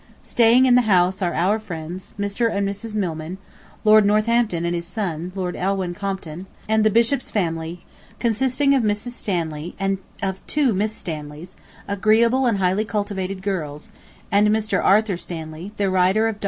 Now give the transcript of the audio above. ... Staying in the house are our friends, Mr. and Mrs. Milman, Lord Northampton and his son, Lord Alwyne Compton, and the Bishop's family, consisting of Mrs. Stanley, and of two Miss Stanleys, agreeable and highly cultivated girls, and Mr. Arthur Stanley, the writer of Dr. Arnold's Biography.